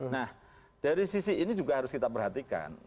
nah dari sisi ini juga harus kita perhatikan